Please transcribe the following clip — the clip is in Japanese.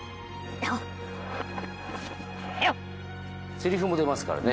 せりふも出ますからね